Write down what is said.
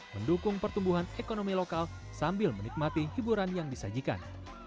mendukung pertumbuhan ekonomi lokal sambil menikmati hiburan yang disajikan